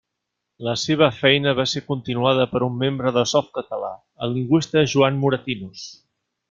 La seva feina va ser continuada per un membre de Softcatalà, el lingüista Joan Moratinos.